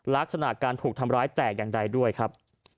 ลักษณะการถูกทำร้ายแตกอย่างใดด้วยครับ